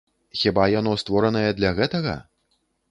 Хіба яно створанае для гэтага?